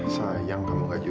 sayang kamu kak jojo